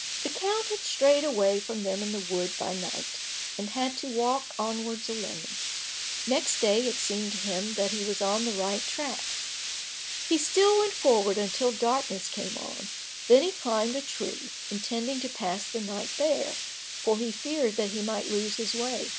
The count had strayed away from them in the wood by night, and had to walk onwards alone. Next day it seemed to him that he was on the right track. He still went forward, until darkness came on, then he climbed a tree, intending to pass the night there, for he feared that he might lose his way.